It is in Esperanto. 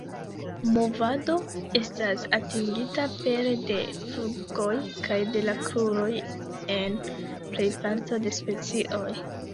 Movado estas atingita pere de flugoj kaj de la kruroj en plejparto de specioj.